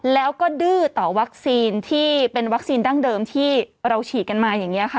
แล้วก็ดื้อต่อวัคซีนที่เป็นวัคซีนดั้งเดิมที่เราฉีดกันมาอย่างนี้ค่ะ